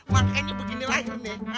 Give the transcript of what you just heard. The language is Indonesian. makanya begini lah ini